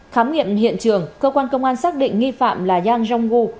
khám nghiệm hiện trường cơ quan công an xác định nghi phạm là yang rongwu